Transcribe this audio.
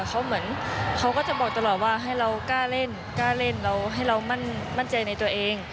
เขาเหมือนเขาก็จะบอกตลอดว่าให้เรากล้าเล่นกล้าเล่นเราให้เรามั่นใจในตัวเอง